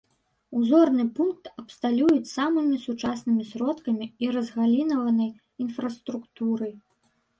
Узорны пункт абсталююць самымі сучаснымі сродкамі і разгалінаванай інфраструктурай.